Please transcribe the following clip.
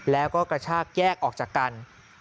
แล้วก็กระชากแยกออกจากกัน